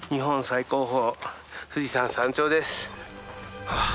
最高峰富士山山頂です。